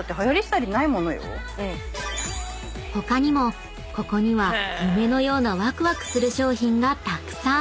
［他にもここには夢のようなワクワクする商品がたくさん！］